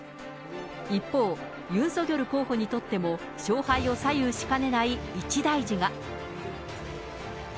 一方、ユン・ソギョル候補にとっても、勝敗を左右しかねない一大事が。